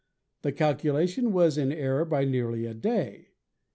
The calculation was in error by nearly a day.